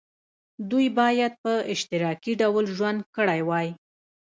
دوی باید په اشتراکي ډول ژوند کړی وای.